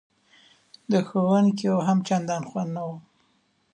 د ښوونکیو هم چندان خوند نه و.